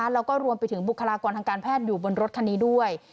แล้วก็รวมไปถึงบุคลากรทางการแพทย์อยู่บนรถคันนี้ด้วย